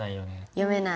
読めない。